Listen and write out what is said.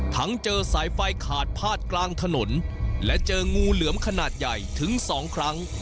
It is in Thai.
ทั้งเจอสายไฟขาดพาดกลางถนนและเจองูเหลือมขนาดใหญ่ถึงสองครั้ง